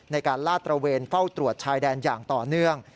ลาดตระเวนเฝ้าตรวจชายแดนอย่างต่อเนื่อง